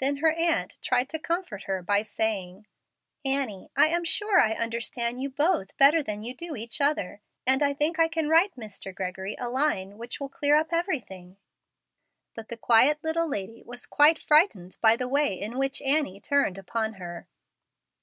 Then her aunt tried to comfort her by saying, "Annie, I am sure I understand you both better than you do each other, and I think I can write Mr. Gregory a line which will clear up everything." But the quiet little lady was quite frightened by the way in which Annie turned upon her.